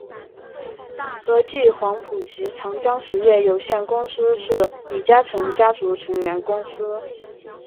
和记黄埔及长江实业有限公司是李嘉诚家族成员公司。